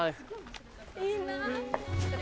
いいなぁ。